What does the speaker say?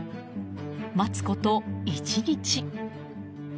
待つこと１日。